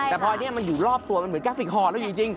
แต่พออันนี้มันอยู่รอบตัวมันเหมือนกราฟิกฮ่อแล้วอยู่จริง